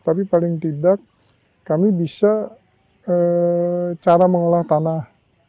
tapi paling tidak kami bisa cara mengolah tanah